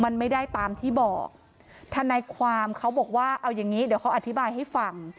มันไม่ได้ตามที่บอกทนายความเขาบอกว่าเอาอย่างงี้เดี๋ยวเขาอธิบายให้ฟัง